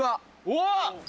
「うわっ！」